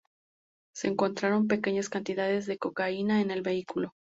Se encontraron pequeñas cantidades de cocaína en el vehículo.